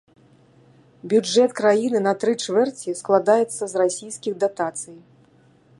Бюджэт краіны на тры чвэрці складаецца з расійскіх датацый.